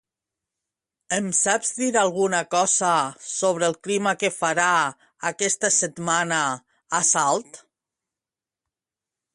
Em saps dir alguna cosa sobre el clima que farà aquesta setmana a Salt?